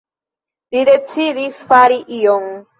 Li decidis „fari ion“.